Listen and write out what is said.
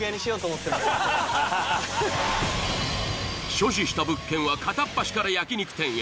所持した物件は片っ端から焼肉店へ。